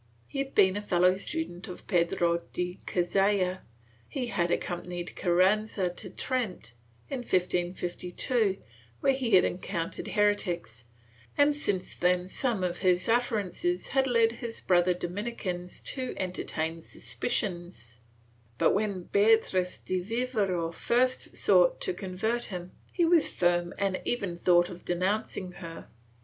He had been a fellow student of Pedro de Cazalla; he had accom panied Carranza to Trent, in 1552, where he had encountered heretics, and since then some of his utterances had led his brother Dominicans to entertain suspicions, but, when Beatriz de Vivero first sought to convert him, he was firm and even thought of de nouncing her.